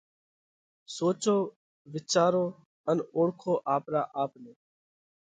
سوچو وِيچارو ان اوۯکو آپرا آپ نئہ!